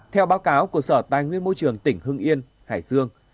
theo báo cáo của sở tài nguyên môi trường tỉnh hưng yên hải dương